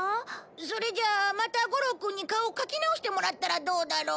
それじゃあまた五郎くんに顔を描き直してもらったらどうだろう？